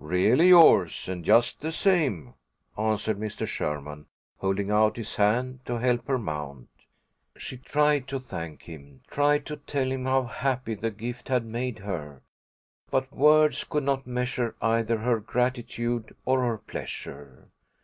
"Really yours, and just the same," answered Mr. Sherman, holding out his hand to help her mount. She tried to thank him, tried to tell him how happy the gift had made her, but words could not measure either her gratitude or her pleasure.